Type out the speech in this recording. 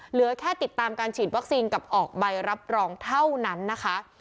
เหลือแค่ติดตามการฉีดวัคซีนกับออกใบรับรองเท่านั้นนะคะ